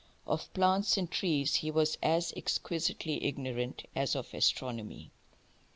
Of plants and trees he was as exquisitely ignorant as of astronomy.